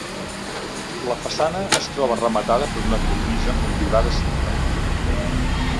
La façana es troba rematada per una cornisa motllurada simple.